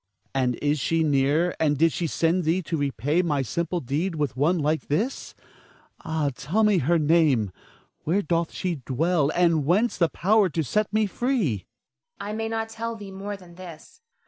Ernest. And is she near, and did she send thee to repay my simple deed with one like this? Ah, tell her name! Where doth she dwell, and whence the power to set me free? Zara. I may not tell thee more than this.